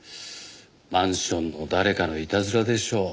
マンションの誰かのいたずらでしょう。